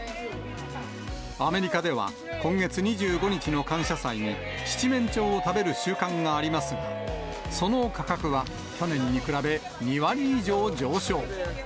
アメリカでは今月２５日の感謝祭に七面鳥を食べる習慣がありますが、その価格は去年に比べ２割以上上昇。